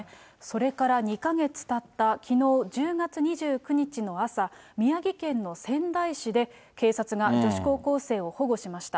それから２か月たったきのう１０月２９日の朝、宮城県の仙台市で警察が女子高校生を保護しました。